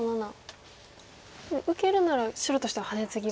でも受けるなら白としてはハネツギは。